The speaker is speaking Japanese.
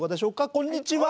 こんにちは！